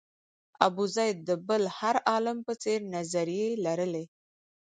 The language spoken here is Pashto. ابوزید د بل هر عالم په څېر نظریې لرلې.